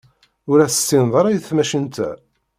Ur as-tessineḍ ara i tmacint-a.